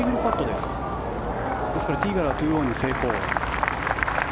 ですからティーガラは２オンに成功。